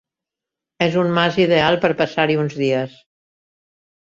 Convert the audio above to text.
És un mas ideal per passar-hi uns dies.